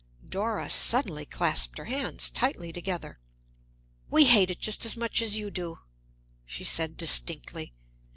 Dora suddenly clasped her hands tightly together. "We hate it just as much as you do," she said distinctly.